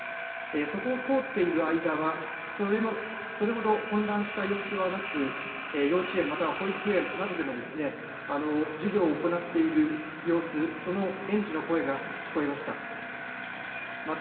そこを通っている間はそれほど混乱した様子はなく幼稚園、また保育園などでも授業を行っている様子、その園児の声が聞こえました。